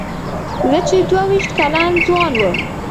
زه چې دوه وېشت کلن ځوان وم.